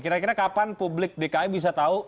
kira kira kapan publik dki bisa tahu